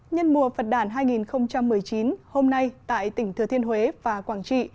nhân mùa phật đản hai nghìn một mươi chín hôm nay tại tỉnh thừa thiên huế và quảng trị